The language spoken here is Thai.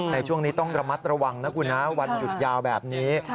ในช่วงนี้ต้องระมัดระวังนะคุณนะวันหยุดยาวแบบนี้